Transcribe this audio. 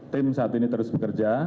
tim saat ini terus bekerja